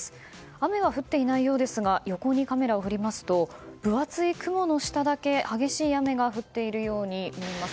雨は降っていないようですが横にカメラを振りますと分厚い雲の下だけ激しい雨が降っているように見えます。